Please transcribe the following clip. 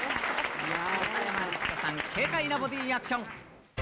中山律子さん、豪快なボディアクション。